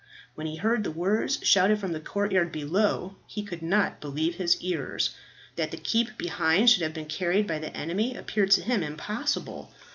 When he heard the words shouted from the courtyard below he could not believe his ears. That the keep behind should have been carried by the enemy appeared to him impossible.